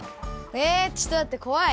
えちょっとまってこわい。